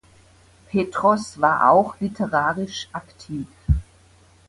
Petros war auch literarisch aktiv.